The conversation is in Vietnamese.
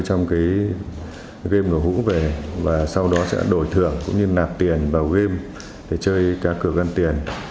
các đại lý sẽ đặt các trò chơi trong game nổ hũ về và sau đó sẽ đổi thưởng cũng như nạp tiền vào game để chơi các cơ quan tiền